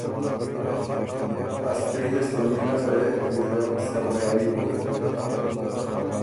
ا ستِړيې ستومِنه وې ویزر سرباري بُک۔